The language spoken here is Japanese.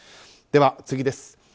では、次です。